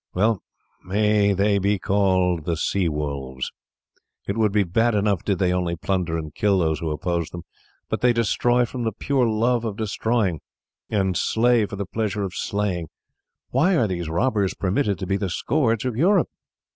"Well may they be called the sea wolves. It would be bad enough did they only plunder and kill those who oppose them; but they destroy from the pure love of destroying, and slay for the pleasure of slaying. Why are these robbers permitted to be the scourge of Europe?"